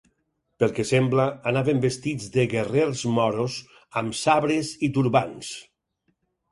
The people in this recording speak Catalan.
Pel que sembla, anaven vestits de guerrers moros, amb sabres i turbants.